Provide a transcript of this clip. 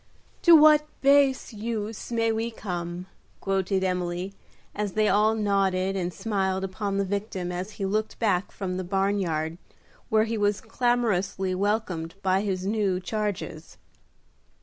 "To what base uses may we come," quoted Emily, as they all nodded and smiled upon the victim as he looked back from the barn yard, where he was clamorously welcomed by his new charges.